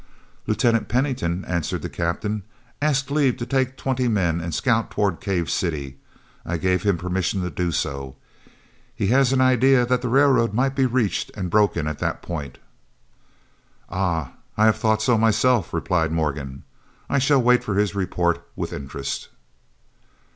"Lieutenant Pennington," answered the Captain, "asked leave to take twenty men and scout toward Cave City. I gave him permission to do so. He has an idea that the railroad might be reached and broken at that point." "Ah! I have thought so myself," replied Morgan. "I shall wait for his report with interest."